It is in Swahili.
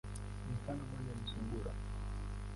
Mfano moja ni sungura.